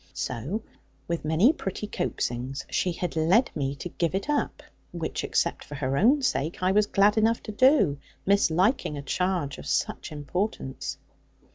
So, with many pretty coaxings, she had led me to give it up; which, except for her own sake, I was glad enough to do, misliking a charge of such importance.